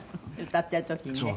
歌ってる時にね。